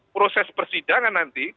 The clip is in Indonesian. proses persidangan nanti